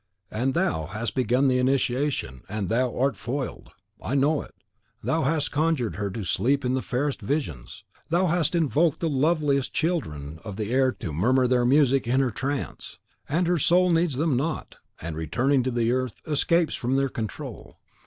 "And thou hast begun the initiation, and thou art foiled! I know it. Thou hast conjured to her sleep the fairest visions; thou hast invoked the loveliest children of the air to murmur their music to her trance, and her soul heeds them not, and, returning to the earth, escapes from their control.